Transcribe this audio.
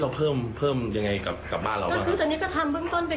เพราะทีนี้เราก็ดูกล้องตลอดแล้วน่ะ